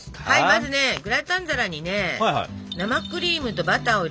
まずねグラタン皿にね生クリームとバターを入れてほしいんだけど。